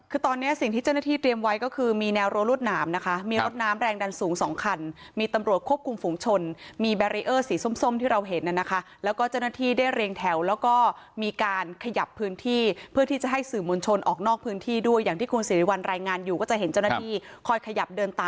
คือตอนนี้สิ่งที่เจ้าหน้าที่เตรียมไว้ก็คือมีแนวรั้วรวดหนามนะคะมีรถน้ำแรงดันสูงสองคันมีตำรวจควบคุมฝุงชนมีแบรีเออร์สีส้มที่เราเห็นน่ะนะคะแล้วก็เจ้าหน้าที่ได้เรียงแถวแล้วก็มีการขยับพื้นที่เพื่อที่จะให้สื่อมวลชนออกนอกพื้นที่ด้วยอย่างที่คุณสิริวัลรายงานอยู่ก็จะเห็นเจ้าหน้าที่คอยขยับเดินต